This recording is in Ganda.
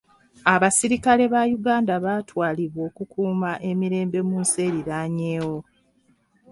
Abasirikale ba Uganda baatwalibwa okukuuma emirembe mu nsi eriraanyeewo.